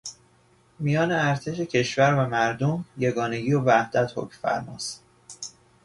میان ارتش کشور و مردم یگانگی و وحدت حکم فرمااست.